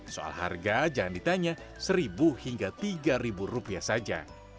soal harga jangan ditanya seribu hingga tiga ribu rupiah saja